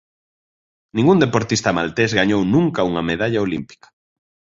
Ningún deportista maltés gañou nunca unha medalla olímpica.